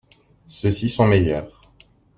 Ceux-ci sont meilleurs.